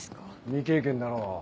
未経験だろ。